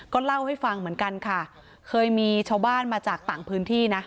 ก็เล่าให้ฟังเหมือนกันค่ะเคยมีชาวบ้านมาจากต่างพื้นที่นะ